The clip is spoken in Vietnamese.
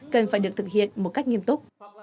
cần phải được thực hiện một cách nghiêm túc